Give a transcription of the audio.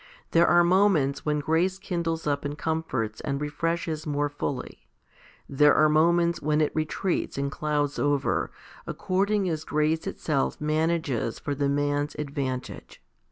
There are moments when grace kindles up and comforts and refreshes more fully ; there are moments when it retreats and clouds over, according as grace itself manages for the man's advantage.